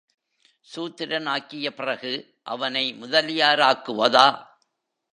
சூத்திரனாக்கிய பிறகு, அவனை முதலியாராக்குவதா?